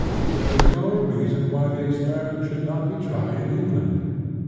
There is no reason why the experiment should not be tried in England.